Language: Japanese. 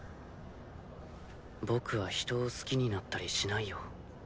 僕は人を好きになったりしないよ。